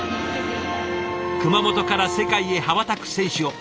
熊本から世界へ羽ばたく選手を。